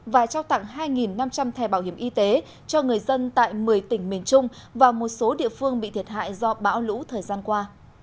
và trao tặng hai năm trăm linh thẻ bảo hiểm y tế cho người dân tại một mươi tỉnh miền trung và một số địa phương bị thiệt hại do bão lũ thời gian qua